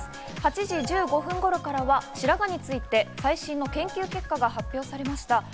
８時１５分頃からは白髪について最新の研究結果が発表されました。